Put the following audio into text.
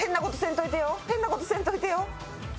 変な事せんといてよ！